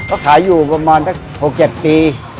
เขาขายอยู่ประมาณ๖๗ปี